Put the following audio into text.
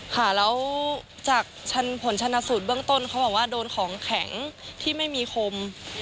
ค่ะแล้วจากผลชนสูตรเบื้องต้นเขาบอกว่าโดนของแข็งที่ไม่มีคม